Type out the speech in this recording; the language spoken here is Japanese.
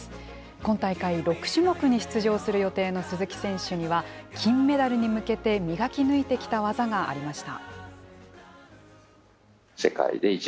今大会、６種目に出場する予定の鈴木選手には、金メダルに向けて磨き抜いてきた技がありました。